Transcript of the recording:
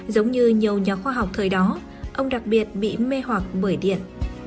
giống như nhiều nhà khoa học thời đó ông đặc biệt bị mê hoặc bởi điện